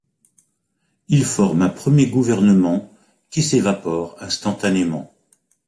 Il forme un premier gouvernement qui s'évapore instantanément.